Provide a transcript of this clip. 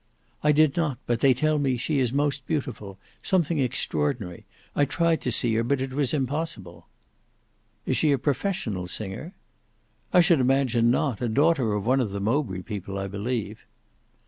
"I did not, but they tell me she is most beautiful; something extraordinary; I tried to see her, but it was impossible." "Is she a professional singer?" "I should imagine not; a daughter of one of the Mowbray people I believe."